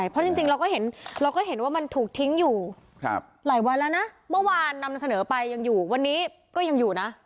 เพราะจริงเราก็เห็นเราก็เห็นว่ามันถูกทิ้งอยู่หลายวันแล้วนะเมื่อวานนำเสนอไปยังอยู่วันนี้ก็ยังอยู่นะ